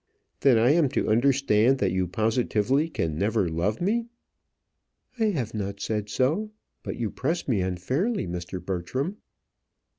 "Then I am to understand that you positively can never love me?" "I have not said so: but you press me unfairly, Mr. Bertram."